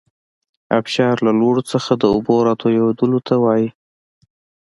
ابشار له لوړو څخه د اوبو راتویدلو ته وايي.